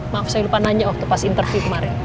maaf saya lupa nanya waktu pas interview kemarin